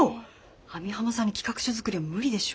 網浜さんに企画書作りは無理でしょ！